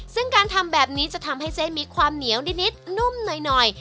ซึ่งการทำแบบนี้จะทำให้เส้นมีความเหนียวนิดนุ่มหน่อย